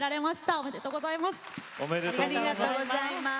おめでとうございます。